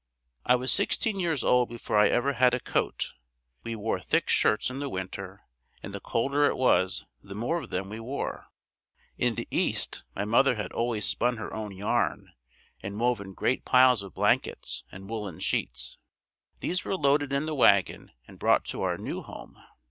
I was sixteen years old before I ever had a coat. We wore thick shirts in the winter and the colder it was, the more of them we wore. In the east, my mother had always spun her own yarn and woven great piles of blankets and woolen sheets. These were loaded in the wagon and brought to our new home.